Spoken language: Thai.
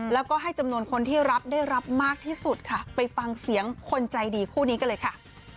แล้วก็ให้จำนวนคนที่รับได้รับมากที่สุดค่ะไปฟังเสียงคนใจดีคู่นี้กันเลยค่ะ